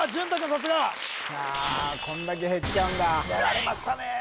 さすがこんだけ減っちゃうんだやられましたね